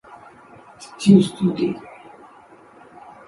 The deuce you did!